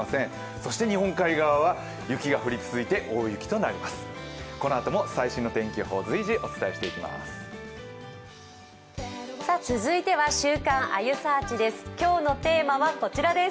そして日本海側は雪が降り続いて大雪となります。